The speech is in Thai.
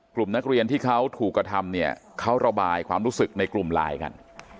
กลุ่มนักเรียนที่เขาถูกกระทำเนี่ยเขาระบายความรู้สึกในกลุ่มไลน์กัน